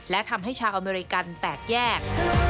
และทำให้ชาวอเมริกันแตกแยก